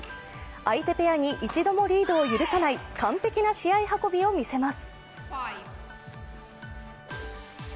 相手ペアに一度もリードを許さない完璧な試合運びを見せます。